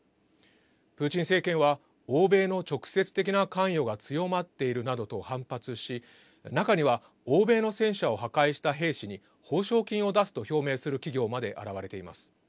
プーチン政権は欧米の直接的な関与が強まっているなどと反発し中には欧米の戦車を破壊した兵士に報奨金を出すと表明する企業まで現れています。